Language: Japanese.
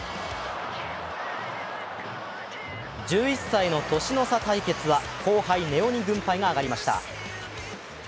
１１歳の年の差対決は後輩・根尾に軍配が上がりました。